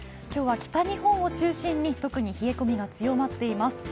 今日は北日本を中心に特に冷え込みが強まっています。